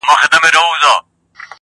د خيال غزل بۀ هم صنمه پۀ رو رو غږېدو,